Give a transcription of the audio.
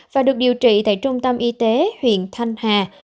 và được điều trị tại trung tâm y tế huyện thanh hà